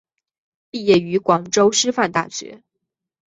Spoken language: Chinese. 毕业于广州师范大学。